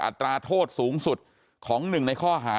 อัตราโทษสูงสุดของหนึ่งในข้อหา